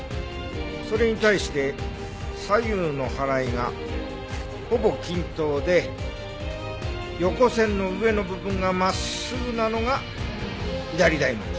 それに対して左右のはらいがほぼ均等で横線の上の部分が真っすぐなのが左大文字。